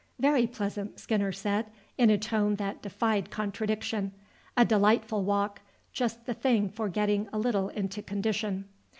"Very pleasant," Skinner said, in a tone that defied contradiction. "A delightful walk; just the thing for getting a little into condition."